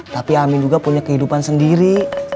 tapi amin juga punya kehidupan sendiri